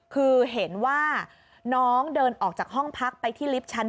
คือเห็นว่าน้องเดินออกจากห้องพักไปที่ลิฟท์ชั้น๒